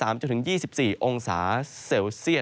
ต่ำสุดอยู่ที่ประมาณ๓๔๓๔องศาเซลเซียส